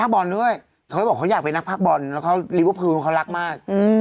มีภาคบอลด้วยเขาบอกว่าเขาอยากเป็นนักภาคบอลแล้วเขาลิเวอร์ฟรือมันเขารักมาก